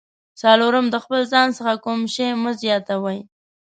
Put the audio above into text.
څلورم: د خپل ځان څخه کوم شی مه زیاتوئ.